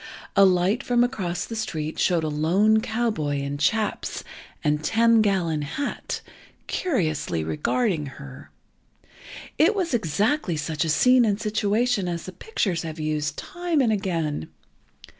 A light from across the street showed a lone cowboy, in chaps, and "ten gallon hat," curiously regarding her. It was exactly such a scene and situation as the pictures have used, time and again.